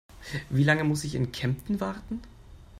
Wie lange muss ich in Kempten warten?